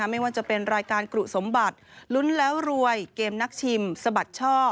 ไม่ว่าจะเป็นรายการกรุสมบัติลุ้นแล้วรวยเกมนักชิมสะบัดช่อ